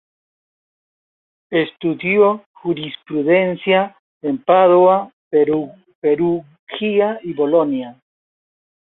Estudió jurisprudencia en Padua, Perugia y Bolonia.